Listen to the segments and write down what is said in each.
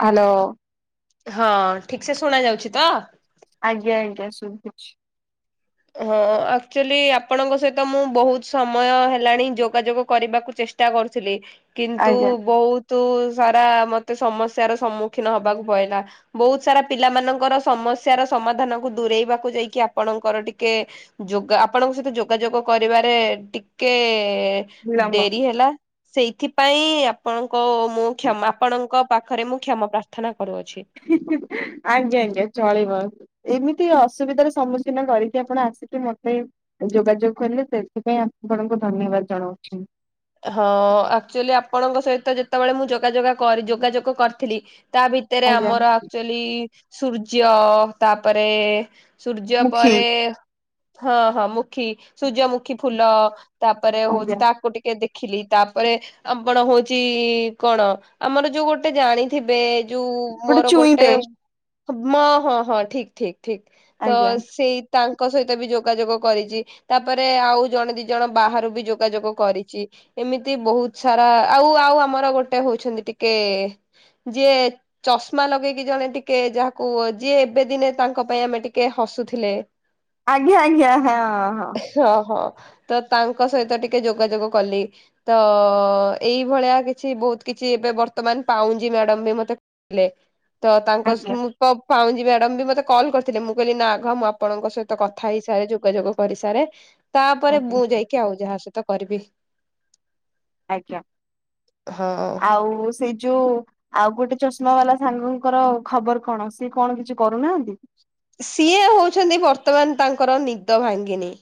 Hello. ହଁ ଠିକ ସେ ଶୁଣା ଯାଉଛି ତ। ଆଜ୍ଞା ଆଜ୍ଞା ଶୁଭୁଛି। ହଁ ଆକ୍ଚୁଆଲି ଆପଣଙ୍କ ସହିତ ମୁଁ ବହୁତ ସମୟ ହେଲାଣି ଯୋଗାଯୋଗ କରିବାକୁ ଚେଷ୍ଟା କରୁଥିଲି କିନ୍ତୁ ଆଜ୍ଞା ବହୁତ ତୁ ସାରା ମତେ ସମସ୍ୟାର ସମ୍ମୁଖୀନ ହବାକୁ ପଡିଲା। ବହୁତ ସାରା ପିଲା ମାନଙ୍କର ସମସ୍ୟା ର ସମାଧାନକୁ ଦୂରେଇବାକୁ ଯାଇକି ଆପଣଙ୍କର ଟିକେ ଟିକେ ଯୋଗ ଆପଣଙ୍କ ସହିତ ଯୋଗାଯୋଗ କରିବାରେ ଟିକେ ବିଳମ୍ବ। ଡେରି ହେଲା ସେଇଥିପାଇଁ ଆପଣଙ୍କ ମୁଁ କ୍ଷମା ଆପଣଙ୍କ ପାଖରେ ମୁଁ କ୍ଷମା ପ୍ରାର୍ଥନା କରୁଅଛି। ଆଜ୍ଞା ଆଜ୍ଞା ଚଳିବ। ଏମିତି ଅସୁବିଧାର ସମ୍ମୁଖୀନ କରିକି ଆପଣ ଆସିକି ମତେ ଯୋଗାଯୋଗ କଲେ ସେଥିପାଇଁ ଆପଣଙ୍କୁ ଧନ୍ୟବାଦ ଜଣାଉଛି। ହଁ ଆକ୍ଚୁଆଲି ଆପଣଙ୍କ ସହିତ ଯେତେବେଳେ ମୁଁ ଯୋଗାଯୋଗ କରି ଯୋଗାଯୋଗ କରିଥିଲି। ତା ଭିତରେ ଆଜ୍ଞା ଆମର ଆକ୍ଚୁଆଲି ସୂର୍ଯ୍ୟ ତାପରେ ସୂର୍ଯ୍ୟ ମୁଖୀ। ପରେ ହଁ ହଁ ମୁଖୀ ସୂର୍ଯ୍ୟମୁଖୀ ଫୁଲ। ତାପରେ ହଉଛି ଆଜ୍ଞା ତାକୁ ଟିକେ ଦେଖିଲି ତାପରେ ଆପଣ ହଉଛି କଣ ଆମର ଯୋଉ ଗୋଟେ ଜାଣି ଥିବେ ଯୋଉ ମୋର ଗୋଟେ ମା ହଁ ହଁ ଠିକ ଠିକ। ଠିକ ତ ଆଜ୍ଞା ସେଇ ତାଙ୍କ ସହିତ ବି ଯୋଗାଯୋଗ କରିଛି ତାପରେ ଆଉ ଜଣେ ଦି ଜଣ ବାହାରୁ ବି ଯୋଗାଯୋଗ କରି ଏମିତି ବହୁତ ସାରା ଆଉ ଆଉ ଆମର ଗୋଟେ ହଉଛନ୍ତି ଟିକେ ଯେ ଚଷମା ଲଗେଇକି ଜଣେ ଟିକେ ଯାହାକୁ ଯିଏ ଏବେ ଦିନେ ତାଙ୍କ ପାଇଁ ଆମେ ଟିକେ ହସୁଥିଲେ। ଆଜ୍ଞା ଆଜ୍ଞା ହଁ ହଁ। ସ ହଁ ତ ତାଙ୍କ ସହିତ ଟିକେ ଯୋଗାଯୋଗ କଲି। ତ ଏଇଭଳିଆ କିଛି ବହୁତ୍ କିଛି ଏବେ ବର୍ତ୍ତମାନ ପାଉଁଜି ମ୍ୟାଡାମ୍ ବି ମତେ। ଥିଲେ ତ ତାଙ୍କ ଆଜ୍ଞା ସ୍ମୃ ପାଉଁଜି ମ୍ୟାଡାମ୍ ବି ମତେ କଲ୍ କରିଥିଲେ ମୁଁ କହିଲି ନା ଘ ମୁଁ ଆପଣଙ୍କ ସହିତ କଥା ହେଇସାରେ ଯୋଗାଯୋଗ। କରିସାରେ ତାପରେ ଆଜ୍ଞା। ମୁଁ ଯାଇକି ଆଉ ଯାହା ସହିତ କରିବି। ଆଜ୍ଞା ହଁ। ଆଉ ସେଇ ଯୋଉ ଆଉ ଗୋଟେ ଚଷ୍ମା ବାଲା ସାଙ୍ଗଙ୍କର ଖବର କଣ ସିଏ କଣ କିଛି କରୁନାହାନ୍ତି। ସିଏ ହଉଛନ୍ତି ବର୍ତ୍ତମାନ ତାଙ୍କର ନିଦ ଭାଙ୍ଗିନୀ।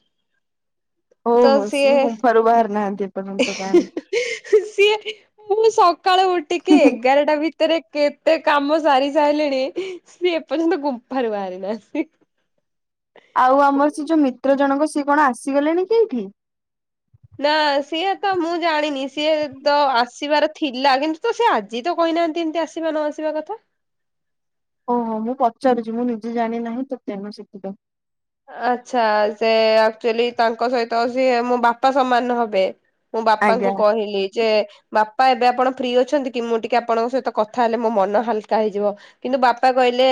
ଓହୋ ସିଏ ମୁଁ ଗୁମ୍ଫାରୁ ବାହାରିନି ନୀହାଁନ୍ତି ଏ ପର୍ୟ୍ଯନ୍ତ। [unintelligible] ସିଏ ମୁଁ ସକାଳୁ ଉଠିକି ଏଗାରଟା ଭିତ ଭିତରେ କେତେ କାମ ସାରି ସାରିଲେଣି ସିଏ ଏପର୍ଯ୍ୟନ୍ତ ଗୁମ୍ଫାରୁ ବାହାରି ନାହାନ୍ତି। ଆଉ ଆମର ସେ ଯୋଉ ମିତ୍ର ଜଣକ ସିଏ କଣ ଆସିଗଲେଣି କି ଏଇଠି। ନା ସିଏ ତ ମୁଁ ଜାଣିନି ସିଏ ତ ଆସିବାର ଥିଲା କିନ୍ତୁ ତ ସେ ଆଜି ଯିଏ ତ କହିନାହାନ୍ତି ଏମିତି ଆସିବା ନ ଆସିବା କଥା। ଓହୋ ମୁଁ ପଚାରୁଛି ମୁଁ ନିଜେ ଜାଣି ନାହିଁ ତ ତେଣୁ ସେଥିପାଇଁ। ଆଚ୍ଛା ସେ ଆକ୍ଚୁଆଲି ତାଙ୍କ ସହିତ ସିଏ ମୋ ବାପା ସମାନ ହବେ। ମୁଁ ବାପାଙ୍କୁ ଆଜ୍ଞା କହିଲି ଯେ ବାପା ଏବେ ଆପଣ ଫ୍ରି ଅଛନ୍ତି କି ମୁଁ ଟିକେ ଆପଣଙ୍କ ସହିତ କଥା ହେଲେ ମୋ ମନ ହାଲ୍କା ହେଇଯିବ।। କିନ୍ତୁ ବାପା କହିଲେ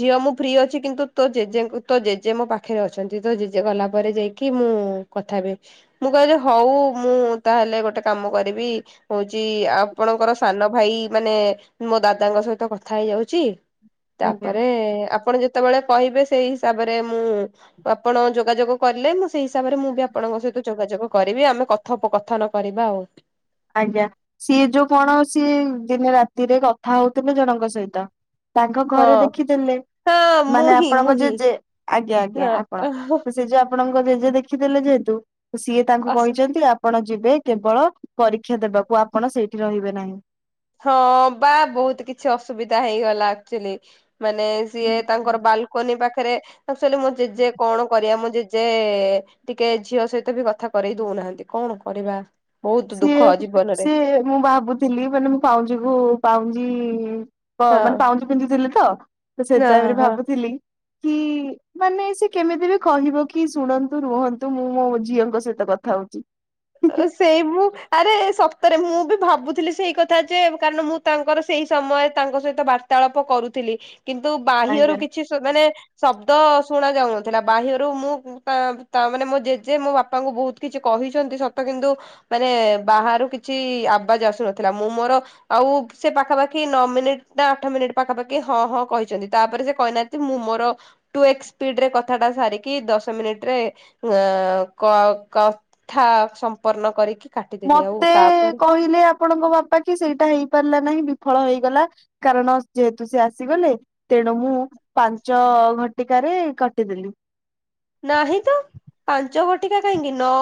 ଝିଅ ମୁଁ ଫ୍ରି ଅଛି କିନ୍ତୁ ତୋ ଜେଜେ ଙ୍କୁ ତ ଜେଜେ ଜେ ମୋ ପାଖରେ ଅଛନ୍ତି ତ ଜେଜେ ଗଲା ପରେ ଯାଇକି ମୁଁ କଥାହେବି ମୁଁ କହିଲି ହଉ ମୁଁ ତାହେଲେ ଗୋଟେ କାମ କରିବି। ହଉଛି ଆପଣଙ୍କର ସାନ ଭାଇ ମାନେ। ମୋ ଦାଦାଙ୍କ ସହିତ କଥା ହେଇଯାଉଛି। ଆଜ୍ଞା ତାପରେ ଆପଣ ଯେତେବେଳେ କହିବେ ସେଇ ହିସାବରେ ମୁଁ ଆପଣ ଯୋଗାଯୋଗ କିରିଲେ ମୁଁ ସେଇ ହିସାବରେ ମୁଁ ବି ଆପଣଙ୍କ ସହିତ ଯୋଗାଯୋଗ କରିବି ଆମେ କଥୋପକଥନ କରିବା ଆଉ। ଆଜ୍ଞା ସିଏ ଯୋଉ କଣ ସିଏ ଦିନେ ରାତିରେ କଥା ହଉଥିଲେ ଜଣଙ୍କ ସହିତ। ତାଙ୍କ ଘରେ ହଁ ଦେଖିଦେଲେ ହଁ ମୁଁ ମାନେ ହିଁ ମୁଁ ଆପଣଙ୍କ ହିଁ ଜେଜେ ଆଜ୍ଞା ଆଜ୍ଞା ହଁ ଆପଣ ସେ ଯେ ଆପଣଙ୍କ ଜେଜେ ଦେଖିଦେଲେ ଯେହେତୁ ସିଏ ତାଙ୍କୁ ଅସୁ କହିଛନ୍ତି ଆପଣ ଯିବେ କେବଳ ପରୀକ୍ଷା ଦେବାକୁ ଆପଣ ସେଇଠି ରହିବେ ନାହିଁ। ହଁ ପା ବହୁତ୍ କିଛି ଅସୁବିଧା ହେଇଗଲା ଆକ୍ଚୁଲି ମାନେ ସିଏ ନାହିଁ। ତାଙ୍କର ବାଲୁ କୁନି ପାଖରେ ଆକ୍ଚୁଆଲି ମୋ ଜେଜେ କଣ କରିବା ମୋ ଜେଜେ ଟିକେ ଝିଅ ସହିତ ବି କଥା କରେଇ ଦଉନାହାନ୍ତି କଣ କରିବା। ବହୁତ ସିଏ ଦୁଃଖ ଜୀବନରେ ସିଏ ମୁଁ ଭାବୁଥିଲି ମାନେ ମୁଁ ପାଉଁଜି କୁ ପାଉଁଜି। ହଁ ମାନେ ପାଉଁଜି ପିନ୍ଧୁଥିଲେ ତ ସେ ହଁ ହଁ। ତାବେରେ ହଁ। ଭାବୁଥିଲି କି ମାନେ ସେ କେମିତି ବି କହିବ କି ଶୁଣନ୍ତୁ ରୁହନ୍ତୁ ମୁଁ ମୋ ଝିଅଙ୍କ ସହିତ କଥା ହଉଛି। ସେଇ ମୁୁ ଆରେ ସତରେ ମୁଁ ବି ଭାବୁଥିଲି ସେଇ କଥା ଯେ କାରଣ ମୁଁ ତାଙ୍କର। ସେଇ ସମୟରେ ତାଙ୍କ ସହିତ ବାର୍ତ୍ତାଳାପ କରୁଥିଲି କିନ୍ତୁ ବାହ୍ୟରୁ ଆଜ୍ଞା। କିଛି ମାନେ ଶବ୍ଦ ଶୁଣା ଯାଉନଥିଲା ବାହ୍ୟରୁ ମୁଁ ତା ମାନେ ମୋ ଜେଜେ ମୋ ବାପାଙ୍କୁ ବହୁତ କିଛି କହିଛନ୍ତି ସତ ତ କିନ୍ତୁ ମାନେ ବାହାରୁ କିଛି ଆବାଜ୍ ଆସୁନଥିଲା ମୁଁ ମୋର। ଆଉ ସେ ପାଖାପାଖି ନଅ ମିନିଟ ନା ଆଠ ମିନିଟ ପାଖାପାଖି ହଁ ହଁ କହିଛନ୍ତି ତାପରେ ସେ କହିନାହାନ୍ତି ମୁଁ ମୋର ଟୁ ଏକ୍ସ ସ୍ପିଡିରେ କଥାଟା ସାରିକି ଦଶ ମିନିଟ୍ରେ ଅ କ କଥା ସମ୍ପନ୍ନ କରିକି। କାଟିଦେଲି ଆଉ ମତେ ତାପରେ କହିଲେ ଆପଣଙ୍କ ବାପା କି ସେଇଟା ହେଇପାରିଲା ନାହିଁ ବିଫଳ ହେଇଗଲା। କାରଣ ଯେହେତୁ ସେ ଆସିଗଲେ। ତେଣୁ ମୁଁ ପାଞ୍ଚ ଘଟିକାରେ କାଟିଦେଲି। ନାହିଁ ତ ପାଞ୍ଚ ଗଟିକା କାହିଁକି ନ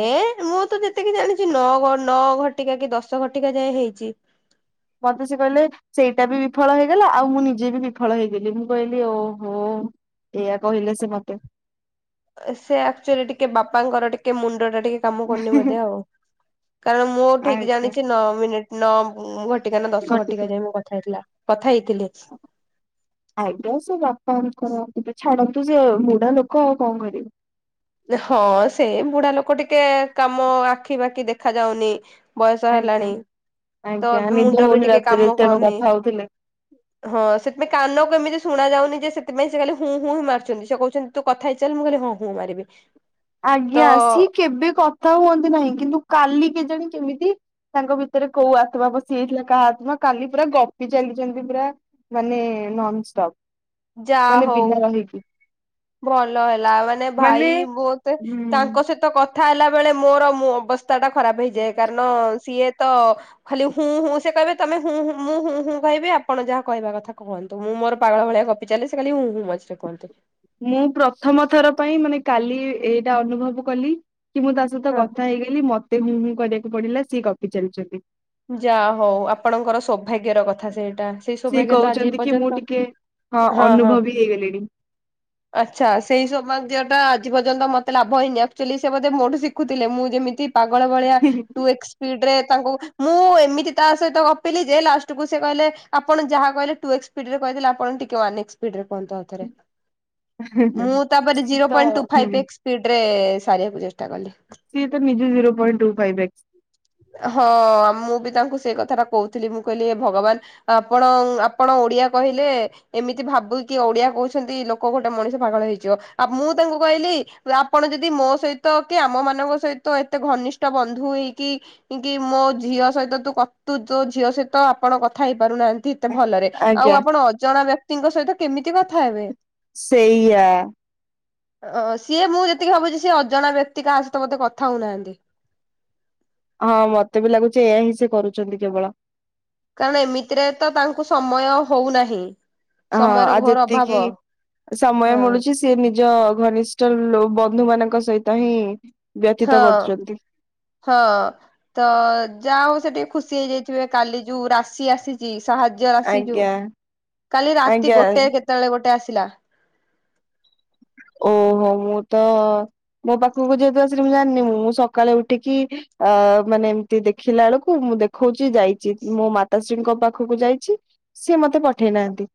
ଏ ମୁଁ ତ ଯେତିକି ଜାଣିଛି ନଅ ନଅ ଘଟିକା କି ଦଶ ଘଟିକା ଯାଏଁ ହେଇଛି। ମତେ ସେ କହିଲେ ସେଇଟା ବି ବିଫଳ ହେଇଗଲା ଆଉ ମୁଁ ନିଜେ ବି ବିଫଳ ହେଇଗଲି ମୁଁ କହିଲି ଓହୋ। ଏଇଆ କହିଲେ ସେ ମତେ। ସେ ଆକ୍ଚଲି ଟିକେ ବାପାଙ୍କର ଟିକେ ମୁଣ୍ଡ ଟା ଟିକେ କାମ କରନି ବୋଧ ଆଉ କାରଣ ମୁଁ ଠିକ ଆଜ୍ଞା ଜାଣିଚି ନଅ ମିନିଟ ନଅ ଘ କଟିକା ନା ଦଶ ଘଟିକୁ ଘଟିକା ଯାଇ ମୁଁ କଥା ହେଇଥିଲା କଥା ହେଇଥିଲି। ଆଜ୍ଞା ସେ ବାପାଙ୍କର ଛାଡନ୍ତୁ ସେ ବୁଢା ଲୋକ ଆଉ କଣ କରିବେ। ହଁ ସେ ବୁଢା ଲୋକ ଟିକେ କାମ ଆଖି ବାଖି ଦେଖା ଯାଉନି। ବୟସ ଆଜ୍ଞା ହେଲାଣି ତ ଆଜ୍ଞା ଏବେ ନିଦ ମୁଣ୍ଡ ବି ହଉନି ଟିକେ ରାତିରେ କାମ ତେଣୁ କରୁନି କଥା ହଉଥିଲେ। ହଁ ସେଥିପାଇଁ କାନକୁ ଏମିତି ଶୁଣା ଯାଉନି ଯେ ସେଥିପାଇଁ ସେ ଖାଲି ହୁଁ ହୁ ହିଁ ମାରୁଚନ୍ତି ସେ କହୁଚନ୍ତି ତୁ କଥା ହେଇଚିଲ ମୁଁ କହିଲି ହଁ ହଁ ମାରିବି। ତ ଆଜ୍ଞା ସିଏ କେବେ କଥା ହୁଅନ୍ତି ନାହିଁ କିନ୍ତୁ କାଲି କେଜାଣି କେମିତି ତାଙ୍କ ଭିତରେ କୋଉ ଆତ୍ମା ପଶିଯାଇଥିଲା କାହା ଆତ୍ମା କାଲି ପୁରା ଗପି ଚାଲିଛନ୍ତି ପୁରା। ମାନେ ନନ୍‌ଷ୍ଟପ ମାନେ ବିନା ରହିକି। ଭଲହେଲା ମାନେ ଭାଈ ବୋଉତୁ ହୁଁ। ତାଙ୍କ ସହିତ କତ୍ ଥା ହେଲା ବେଳେ ମୋର ଅବସ୍ଥା ଟା ଖରାପ ହେଇଯାଏ କାରଣ ସିଏ ତ ଖାଲି ହୁଁ ହୁଁ ସେ କହିବେ ତମେ ହୁଁ ହୁଁ ମୁଁ ହୁଁ ହୁଁ କହିବି ଆପଣ ଯାହା କହିବା କଥା କୁହନ୍ ନ୍ତୁ ମୁଁ ମୋର ପାାଗଳ ଭଳିଆ ଗପି ଚାଲିଲି ସେ ଖାଲି ହୁଁ ହୁଁ ମଝିରେ କୁହନ୍ତି। ମୁଁ ପ୍ରଥମଥର ପାଇଁ ମାନେ କାଲି ଏଇଟା ଅନୁଭବ କଲି। କି ମୁଁ ତା ସହିତ କଥା ହେଇଗଲି ମତେ ହୁଁ ହୁଁ କରିବାକୁ ପଡିଲା ସିଏ ଗପି ଚାଲିଛନ୍ତି। ଯାହା ହଉ ଆପଣଙ୍କର ସୌଭାଗ୍ୟ ର କଥା ସେଇଟା। ସେଇ ସେଏ ସୌଭାଗ୍ୟ ତ ଆଜି କହୁଛନ୍ତି କି ମୁଁ ପର୍ଯ୍ୟନ୍ତ ଟିକେ ହଁ ଅନୁଭବୀ ହେଇଗଲିଣି। ଆଚ୍ଛା ସେଇ ସମୟତିଟା ଆଜି ପର୍ଯ୍ୟନ୍ତ ମତେ ଲାଭ ହେଇନି ଆକ୍ଚଲି ସେ ବୋଧେ ମୋଠୁ ଶିଖୁଥିଲେ ମୁଁ ଯେମିତି ପାଗଳ ଭଳିଆତୁ ଟୁ ଏକ୍ସ ସ୍ପିଡରେ ତାଙ୍କୁ ମୁଁ ଏମିତି ତା ସହିତ ଗପିଲି ଯେ ଲାଷ୍ଟକୁୁ ସେ କହିଲେ ଆପଣ ଯାହା କହିଲେ ଟୁ ଏକ୍ସ ସ୍ପିଡ଼ ରେ କହି ଆପଣ ଟିକେ ୱାନ ଏକ୍ସ ସ୍ପିଡ଼ ରେ କୁହନ୍ତୁ। ମୁଁ ତାପରେ ସିଏ ଜିରୋ ତ ପଏଣ୍ଟ ତୁ ହୁଁ ଫାଇଫ ଏକ୍ସ ସ୍ପିଡ ରେ ସାରିବାକୁ ଚେଷ୍ଟା କଲି। ସିଏ ତ ନିଜେ zero point two five x. ହଁ ମୁଁ ବି ତାଙ୍କୁ ସେଇ କଥା ଟା କହୁଥିଲି ମୁଁ କହିଲି ଏ ଭଗବାନ। ଆପଣ ଆପଣ ଓଡିଆ କହିଲେ। ଏମିତି ଭାବୁ କି ଓଡିଆ କହୁଛନ୍ତି ଲୋକ ଗୋଟେ ମଣିଷ ପାଗଳ ହେଇଯିବ ଆ ମୁଁ ତାଙ୍କୁ କହିଲି ଆପଣ ଯଦି ମୋ ସହିତ କି ଆମ ମାନଙ୍କ ସହିତ ଏତେ ଘନିଷ୍ଠ ବନ୍ଧୁ ହେଇ କି କି ମୋ ଝିଅ ସହିତ ତୁ କ ତୁ ତୋ ଝିଅ ସହିତ ଆପଣ କଥା ହେଇ ପାରୁନାହାନ୍ ନ୍ତି ଭଲରେ ଆଉ ଆଜ୍ଞା ଆପଣ ଅଜଣା ବ୍ୟକ୍ କ୍ତିଙ୍କ ସହିତ କେମିତି କଥା ହେବେ? ସେଇଆ ଓ ସିଏ ମୁଁ ଯେତିକି ଭାବୁଚି ସିଏ ଅଜଣା ବ୍ୟକ୍ତି କାହା ସହିତ ବୋଧେ କଥା ହଉନାହାନ୍ତି। ହଁ ମତେ ବି ଲାଗୁଛି ଏହା ହିଁ ସେ କରୁଚନ୍ତି କେବଳ। କାରଣ ଏମିତିରେ ତ ତାଙ୍କୁ ସମୟ ହଉନାହିଁ। ହଁ ସମୟର ଆଉ ଘୋର ଯେତିକି ଅଭାବ ସମୟ ହଁ ମିଳୁଛି ସେ ସେ ନିଜ ଘନିଷ୍ଠ ଲୋ ବନ୍ଧୁ ମାନଙ୍କ ସହିତ ହିଁ ହଁ। ବ୍ୟତୀତ କରୁଛନ୍ତି ହଁ ତ ଯା ହଉ ସେ ଟିକେ ଖୁସି ହେଇଯାଇଥିବେ କାଲି ଯୋଉ ରାଶି ଆସି ଚି ସାହାଯ୍ୟ ଆସିି ଯୋଉ ଆଜ୍ଞା କାଲି ରାତି ଆଜ୍ଞା ଗୋଟେ କେତେବେଳେ ଗୋଟେ ଆସିଲା। ଓହୋ ମୁଁ ତ ମୋ ପାଖକୁ ଯେହେତୁ ଆସିନି ମୁଁ ଜାଣିନି ମୁଁ ସକାଳେ ଉଠିକି ଆ ମାନେ ଏମିତି ଦେଖିଲା ବେଳକୁ ମୁଁ ଦେଖ୍ ଖୋଉଚି ଯାଇଚି ମୋ ମାତାଶ୍ରୀଙ୍କ ପାଖୁକୁ ଯାଇଚି ସିଏ ମତେ ପଠେଇ ନାହାନ୍ତି।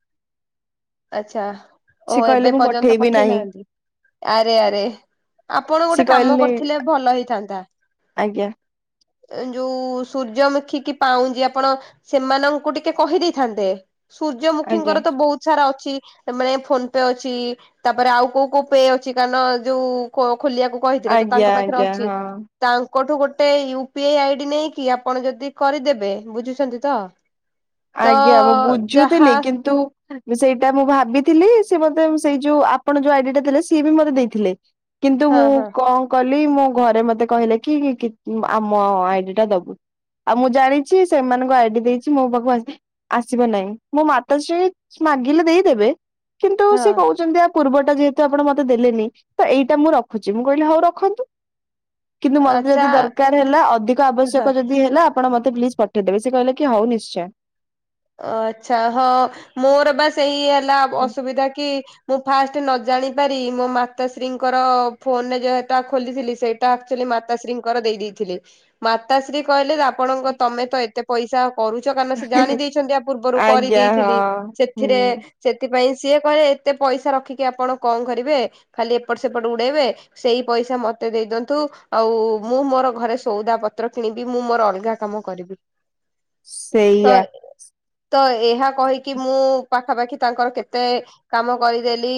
ଆଛା ଓହୋ ସିଏ କହିଲେ ଏବେ ମୁଁ ପର୍ଯ୍ୟନ୍ତ ପଠେଇବି ପଠେଇ ନାହିଁ ନାହାନ୍ତି ଆରେ ଆରେ। ଆପଣ ସିଏ ଗୋଟେ କାମ କହିଲେ କରିଥିଲେ ଭଲ ହେଇଥାନ୍ତା। ଆଜ୍ଞା। ଯୋଉ ସୂର୍ଯ୍ୟମୁଖୀ କିି ପାଉଁଜି ଆପଣ ସେମାନଙ୍କୁ ଟିକେ କହିଦେଇଥାନ୍ତେ। ସୂର୍ଯ୍ୟମୁଖୀ ଆଜ୍ଞା ଙ୍କର ତ ବହୁତ ସାରା ଅଛି ମାନେ ଫୋନ ପେ ଅଛି। ତାପରେ ଆଉ କୋଉ କୋଉ ପେ ଅଛି କାରଣ ଯୋଉ ଖୋ ଖୋଲିବାକୁ କହିଥିଲେ ତ ଆଜ୍ଞା ତାଙ୍କ ପାଖରେ ଆଜ୍ଞା ଅଛି। ହଁ ତାଙ୍କଠୁ ଗୋଟେ ୟୁ ପି ଆଇ ଆଇଡି ନେଇକି ଆପଣ ଯଦି କରିଦେବେ ବୁଝୁଛନ୍ତି ତ। ତ ଆଜ୍ଞା ମୁଁ ଯାହା ବୁଝୁଥିଲି କିନ୍ତୁ। ସେଇଟା ମୁଁ ଭାବିଥିଲି ସିଏ ମତେ ସେଇ ଯୋଉ ଆପଣ ଯୋଉ ଆଇଡି ଟା ଦେଇଥିଲେ ସିଏ ବି ମତେ ଦେଇଥିଲେ। କିନ୍ତୁ ହଁ ମୁଁ ହଁ କଁ କଲି ମୋ ଘରେ ମତେ କହିଲେ କି କି ଆମ ଆଇଡି ଟା ଦବୁ। ଆଉ ମୁଁ ଜାଣିଛି ସେମାନଙ୍କ ଆଇଡି ଦେଇଛି ମୋ ପାଖକୁ ଆସିି ଆସିବ ନାହିଁ ମୋ ମାତା ଶ୍ରୀ ମାଗିଲେ ଦେଇଦେବେ କିନ୍ତୁ ହଁ ସେ କହୁଛନ୍ତି। ପୂର୍ବଟା ଯେହେତୁ ଆପଣ ମତେ ଦେଲେନି ତ ଏଇଟା ମୁଁ ରଖୁଛି ମୁଁ କହିଲି ହଉ ରଖନ୍ତୁ। କିନ୍ତୁ ମତେ ଆଚ୍ଛା ଯଦି ଦରକାର ହେଲା ଅଧିକ ହଁ। ଆବଶ୍ୟକ ଯଦି ହେଲା। ଆପଣ ମତେ ପ୍ଲିଜ ପଠେଇ ଦବେ ସେ କହିଲେ କି ହଉ ନିଶ୍ଚୟ। ଅ ଆଚ୍ଛା ହଁ ମୋର ବା ସେଇ ହେଲା ଅସୁବିଧା କି ମୁଁ ଫାଷ୍ଟ ନ ଜାଣି ପାରି ମୋ ମାତାଶ୍ରୀ ଙ୍କର ଫୋନ ରେ ଯେହେଟା ଖୋଲିଥିଲି ସେ ଟା ଆକ୍ଚୁଆଲି ମାତାଶ୍ରୀଙ୍କ ର ଦେଇ ଦେଇଥିଲି ମାତାଶ୍ରୀ କହିଲେ ଯେ ଆପଣଙ୍କ ତମେ ତ ଏତେ ପଇସା। କରୁଛ କାରଣ ସେ ଜାଣି ଦେଇଛନ୍ତି ଆ ପୂର୍ବରୁ ଆଜ୍ଞା କରିଦେଇଥିଲି ହଁ ସେଥି ହୁଁ ଥିରେ ସେଥିପାଇଁ ସିଏ କହିଲେ ଏତେ ପଇସା ରଖିକି ଆପଣ କଣ କରିବେ। ଖାଲି ଏପଟ ସେପଟ ଉଡେଇବେ। ସେଇ ପଇସା ମତେ ଦେଇ ଦିଅନ୍ତୁ ଆଉ ମୁଁ ମୋର ଘରେ ସଉଦା ପତ୍ର କିଣିବି ମୁଁ ମୋର ଅଲଗା‌। କାମ କରିବି। ତ ସେଇଆ। ତ ଏହା କହିକି ମୁଁ ପାଖା ପାଖି ତାଙ୍କର କେତେ। କାମ କରିଦେଲି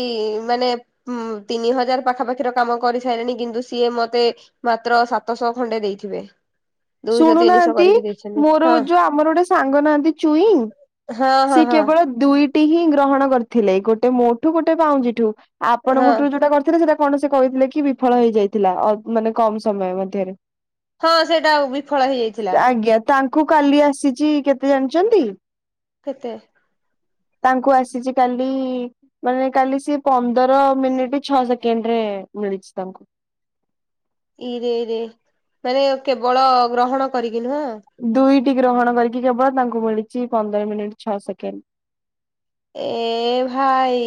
ମାନେ‌। ହୁଁ ତିନି ହଜାର ପାଖା ପାଖିର କାମ କରି ସାରି ଲିଣି କିନ୍ତୁ ସିଏ ମତେ। ମାତ୍ର ସାତଶ ଖଣ୍ଡେ ଦେଇଥିବେ। ଦୁଇଶହ ତିନିଶହ ଶୁଣୁନାହାନ୍ତି କରିକି ଦେଇଛନ୍ତି ମୋର ହଁ ଯୋଉ ଆମର ଗୋଟେ ସାଙ୍ଗ ନାହାନ୍ତି ଚୁଇଁ। ହଁ ହଁ ସିଏ ହଁ କେବଳ ଦୁଇଟି ହିଁ ଗ୍ରହଣ କରିଥିଲେ ଗୋଟେ ମୋଠୁ ଗୋଟେ ପାଉଁଜିଠୁ। ହଁ। ଆପଣଙ୍କଠୁ ଯୋଉଟା କରିଥିଲେ ସେଟା କଣ ସେ କହିଥିଲେ କି ବିଫଳ ହେଇ ଯାଇଥିଲା ଅ ମାନେ କମ୍ ସମୟ ମଧ୍ୟରେ। ହଁ ସେଇଟା ଆଉ ବିଫଳ ହେଇଯାଇଥିଲା। ଆଜ୍ଞା ତାଙ୍କୁ କାଲି ଆସିଛି କେତେ ଜାଣିଛନ୍ତି? କେତେ? ତାଙ୍କୁ ଆସିଛି କାଲି। ମାନେ କାଲି ସେ ପନ୍ଦର ମିନିଟ ଛଅ ସେକେଣ୍ଡ ରେ ମିଳିଛି ତାଙ୍କୁ। ଇରେ ଇରେ ମାନେ କେବଳ ଗ୍ରହଣ କରିକି ନୁହଁ। ଦୁଇଟି ଗ୍ରହଣ କରିକି କେବଳ ତାଙ୍କୁ ମିଳିଛି ପନ୍ଦର ମିନିଟ ଛଅ ସେକେଣ୍ଡ। ଏ ଭାଇ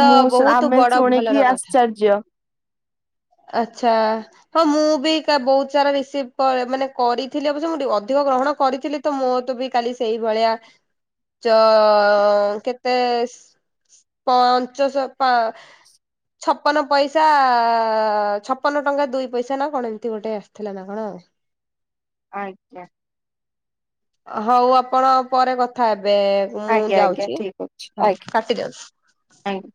ତ ବହୁତ ବଡ ଭଲର କଥା। ଯ୍ୟ। ଆଚ୍ଛା। ହଁ ମୁଁ ବି କା ବହୁତ ସାରା ରିସିଭ କ ମାନେ କରିଥିଲି ଅବଶ୍ୟ ମୁଁ ଟିକେ ଅଧିକ ଗ୍ରହଣ କରିଥିଲି। ତ ମୋର ତ ବି କାଲି ସେଇ ଭଳିଆ ଚ କେତେ। ପାଞ୍ଚଶହ ପାଁ ଛପନ ପଇସା। ଅ ଛପନ ଟଙ୍କା ଦୁଇ ପଇସା ନା କଣ ଏମିତି ଗୋଟେ ଆସିଥିଲା ନା କଣ ଆଉ। ଆଜ୍ଞା। ହଉ ଆପଣ ପରେ କଥା ହେବେ ମୁଁ ଆଜ୍ଞା ଆଜ୍ଞା ଯାଉଚି ଠିକ ଅଛି ହଁ ଆଜ୍ଞା କାଟି ଦିଅନ୍ତୁ। ଆଜ୍ଞା।